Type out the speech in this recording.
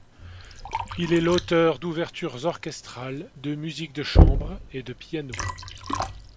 Il est l'auteur d'ouvertures orchestrales, de musique de chambre et de piano.